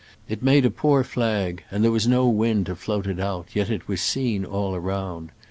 It made a poor flag, and there was no wind to float it out, yet it was seen all around.